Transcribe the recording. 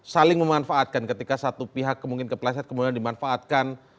saling memanfaatkan ketika satu pihak kemungkinan kepleset kemudian dimanfaatkan